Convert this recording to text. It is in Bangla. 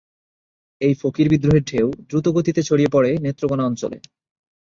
এই ফকির বিদ্রোহের ঢেউ দ্রুত গতিতে ছড়িয়ে পড়ে নেত্রকোণা অঞ্চলে।